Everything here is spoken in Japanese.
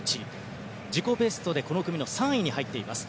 自己ベストでこの組の３位に入っています。